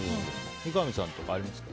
三上さんとかありますか？